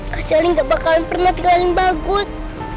kak selia gak bakalan pernah terlihat bagus